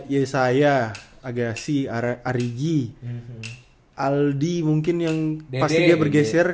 yesaya agassi arigi aldi mungkin yang pasti dia bergeser